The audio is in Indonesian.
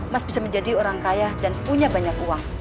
mas bisa menjadi orang kaya dan punya banyak uang